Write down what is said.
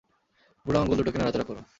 বুড়ো আঙ্গুল দুটোকে নাড়াচাড়া করো!